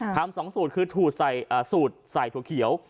ทำ๒สูตรคือสูตรใส่ถั่วเขียว